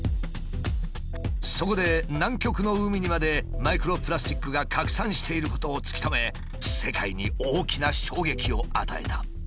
そこで南極の海にまでマイクロプラスチックが拡散していることを突き止め世界に大きな衝撃を与えた。